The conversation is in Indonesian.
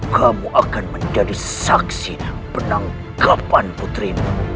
kamu akan menjadi saksi penanggapan putri